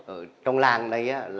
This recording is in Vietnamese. ở trong làng đấy